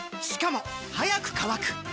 しかも速く乾く！